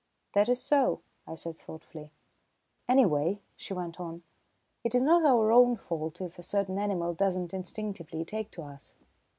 "That is so," I said thoughtfully. "Anyway," she went on, "it is not our own fault if a certain animal does not instinctively take to us."